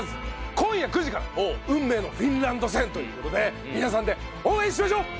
今夜９時から運命のフィンランド戦という事で皆さんで応援しましょう！